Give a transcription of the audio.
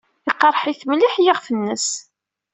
Iqerreḥ-it mliḥ yiɣef-nnes.